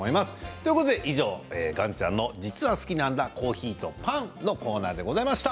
ということで、以上岩ちゃんの実は好きなんだコーヒーとパンのコーナーでございました。